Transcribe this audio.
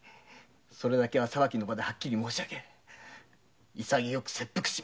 それだけは裁きの場ではっきり申しあげ潔く切腹します。